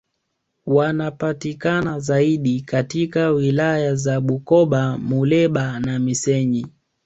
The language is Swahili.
Wanapatikana zaidi katika wilaya za Bukoba Muleba na Missenyi